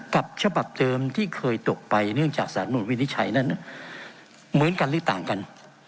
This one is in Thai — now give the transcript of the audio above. กับฉบับเดิมที่เคยตกไปเนื่องจากสารนุนวินิจฉัยนั้นเหมือนกันหรือต่างกัน